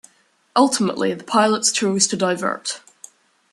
Ultimately the pilots chose to divert.